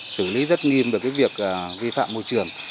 xử lý rất nghiêm được cái việc vi phạm môi trường